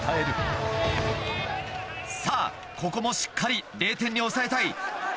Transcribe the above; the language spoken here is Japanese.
ここもしっかり０点に抑えたい。